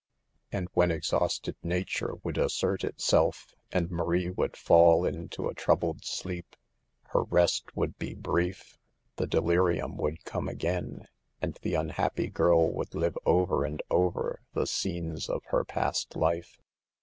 And when exhausted nature would assert itself and Marie would fall into a troubled sleep, her rest would be brief; the delirium would come again, and the unhappy girl would live over and over the scenes of her past life.